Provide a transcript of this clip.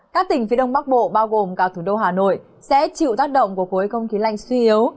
các tỉnh phía đông bắc bộ bao gồm cả thủ đô hà nội sẽ chịu tác động của khối không khí lạnh suy yếu